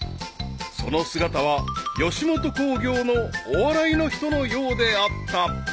［その姿は吉本興業のお笑いの人のようであった］